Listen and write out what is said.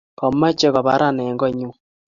komeche kobaran eng' kot nyu